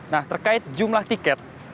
nah terkait jumlah tiket